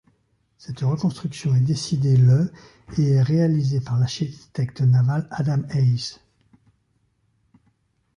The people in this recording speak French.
Cette reconstruction est décidée le et est réalisée par l'architecte naval Adam Hayes.